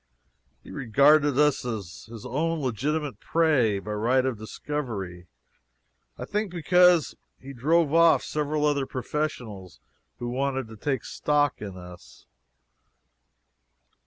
He regarded us as his own legitimate prey, by right of discovery, I think, because he drove off several other professionals who wanted to take stock in us.